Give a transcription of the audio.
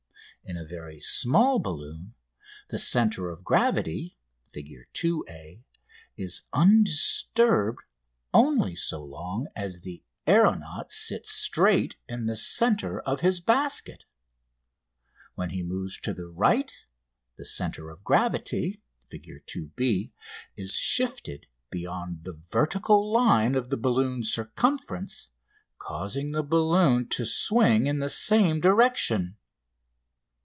In a very small balloon the centre of gravity, Fig. 2, a, is undisturbed only so long as the aeronaut sits straight in the centre of his basket. When he moves to the right the centre of gravity, Fig. 2, b, is shifted beyond the vertical line of the balloon's circumference, causing the balloon to swing in the same direction.